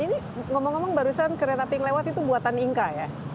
ini ngomong ngomong barusan kereta api yang lewat itu buatan inka ya